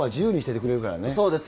そうですね。